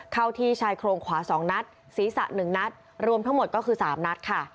เข้าที่ชายโครงขวา๒นัดศีรษะ๑นัดรวมทั้งหมดก็คือ๓นัดค่ะ